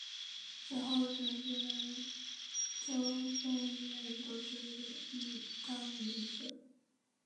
此后曾出任州众议院多数党领袖。